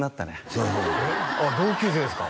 そうそう同級生ですか？